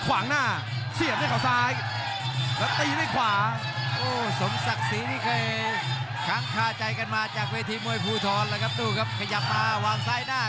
มาแล้วครับแข้งขวาเจอมัดขวาส่วน